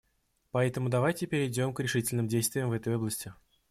Поэтому давайте перейдем к решительным действиям в этой области.